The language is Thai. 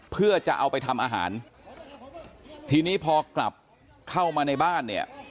เพื่อจะเอาไปทำอาหารทีนี้พอกลับเข้ามาในบ้านเนี่ย